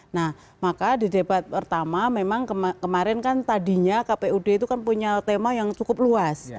nah maka di debat pertama memang kemarin kan tadinya kpud itu kan punya tema yang cukup luas